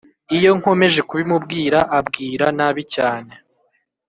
Iyo nkomeje kubimubwira abwira nabi cyane